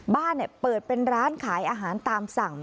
บ้านเปิดเป็นร้านขายอาหารตามสั่ง